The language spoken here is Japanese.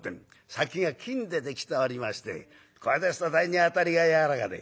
「先が金でできておりましてこれですと大変に当たりが柔らかで」。